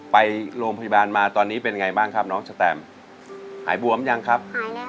ไปโรงพยาบาลมาตอนนี้เป็นไงบ้างครับน้องสแตมหายบวมยังครับหายแล้ว